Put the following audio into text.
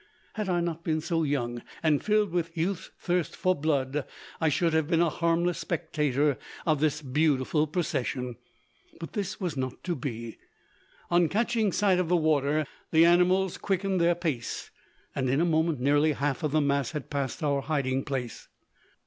Had I not been so young, and filled with youth's thirst for blood, I should have been a harmless spectator of this beautiful procession. But this was not to be. On catching sight of the water, the animals quickened their pace, and in a moment nearly half of the mass had passed our hiding place.